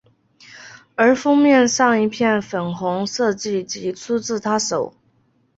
而封面上一片粉红设计即出自她手。